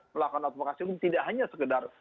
melakukan advokasi umum tidak hanya sekedar